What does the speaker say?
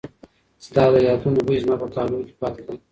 ستا د یادونو بوی زما په کالو کې پاتې دی.